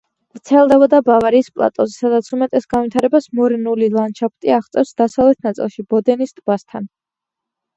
ვრცელდებოდა ბავარიის პლატოზე, სადაც უმეტეს განვითარებას მორენული ლანდშაფტი აღწევს დასავლეთ ნაწილში, ბოდენის ტბასთან.